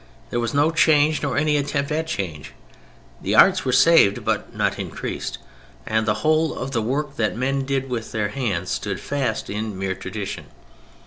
There was no change nor any attempt at change. The arts were saved but not increased, and the whole of the work that men did with their hands stood fast in mere tradition.